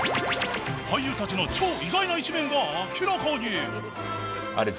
俳優たちの超意外な一面が明らかに。